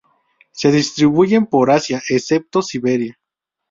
Se distribuyen por Asia, excepto Siberia.